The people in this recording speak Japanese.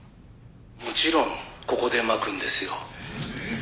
「もちろんここで撒くんですよ」